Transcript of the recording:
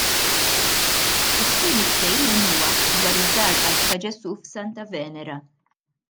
It-tieni ftehim huwa dwar id-Dar Qalb ta' Ġesu f'Santa Venera.